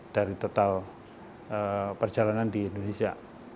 dari total perjalanan di indonesia